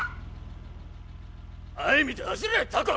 前見て走れタコ！